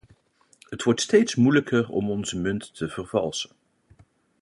Het wordt steeds moeilijker om onze munt te vervalsen.